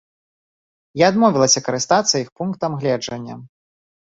Я адмовілася карыстацца іх пунктам гледжання.